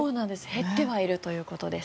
減ってはいるということです。